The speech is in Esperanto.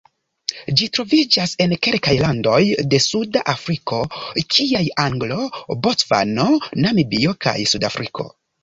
Ĝi troviĝas en kelkaj landoj de Suda Afriko kiaj Angolo, Bocvano, Namibio kaj Sudafriko.